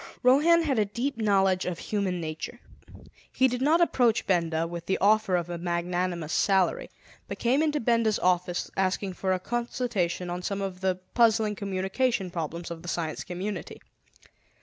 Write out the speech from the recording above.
Rohan had a deep knowledge of human nature. He did not approach Benda with the offer of a magnanimous salary, but came into Benda's office asking for a consultation on some of the puzzling communication problems of the Science Community.